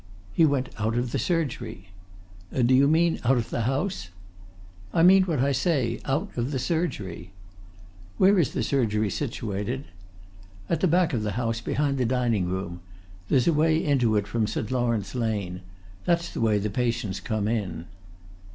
"He went out of the surgery." "Do you mean out of the house?" "I mean what I say. Out of the surgery." "Where is the surgery situated?" "At the back of the house; behind the dining room. There's a way into it from St. Lawrence Lane. That's the way the patients come in."